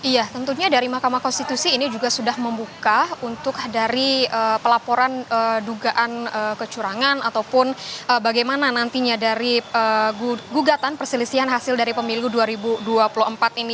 iya tentunya dari mahkamah konstitusi ini juga sudah membuka untuk dari pelaporan dugaan kecurangan ataupun bagaimana nantinya dari gugatan perselisihan hasil dari pemilu dua ribu dua puluh empat ini